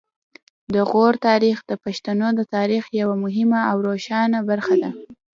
د غور تاریخ د پښتنو د تاریخ یوه مهمه او روښانه برخه ده